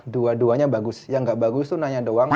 dua duanya bagus yang gak bagus tuh nanya doang